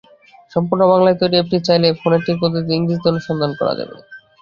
সম্পূর্ণ বাংলায় তৈরি অ্যাপটি চাইলে ফোনেটিক পদ্ধতিতে ইংরেজিতে অনুসন্ধান করা যাবে।